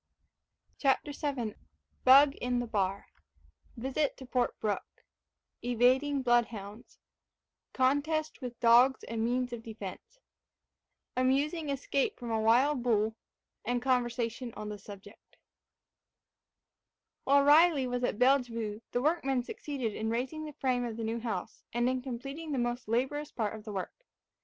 CHAPTER VII BUG IN THE BAR VISIT TO PORT BROOKE EVADING BLOODHOUNDS CONTEST WITH DOGS AND MEANS OF DEFENCE AMUSING ESCAPE FROM A WILD BULL AND CONVERSATION ON THE SUBJECT While Riley was at Bellevue the workmen succeeded in raising the frame of the new house, and in completing the most laborious part of the work.